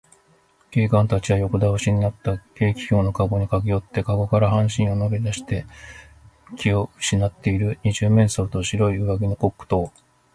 警官たちは横だおしになった軽気球のかごにかけよって、かごから半身を乗りだして気をうしなっている二十面相と、白い上着のコックとを、